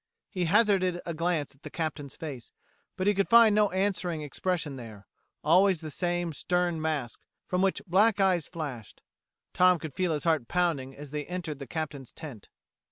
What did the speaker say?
He hazarded a glance at the Captain's face, but he could find no answering expression there always the same stern mask, from which black eyes flashed. Tom could feel his heart pounding as they entered the Captain's tent.